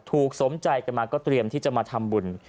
สมใจกันมาก็เตรียมที่จะมาทำบุญ